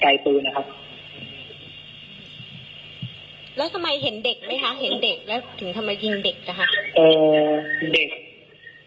สมัยเห็นเด็กแล้วถึงทำไมยิงเด็กนะครับ